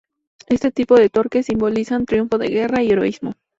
Este tipo de torques simbolizan triunfo de guerra y heroísmo.